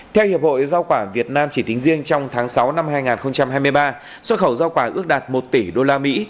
theo hiệp hội rau quả việt nam chỉ tính riêng trong tháng sáu năm hai nghìn hai mươi ba xuất khẩu rau quả ước đạt một tỷ usd